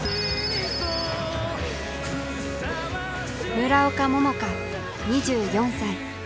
村岡桃佳２４歳。